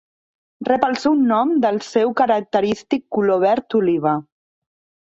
Rep el seu nom del seu característic color verd oliva.